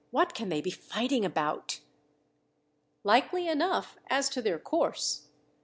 What can they be fighting about?" "Likely enough, as to their course.